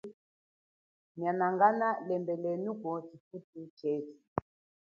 Mianangana lembelenuko kama chifuchi chethu.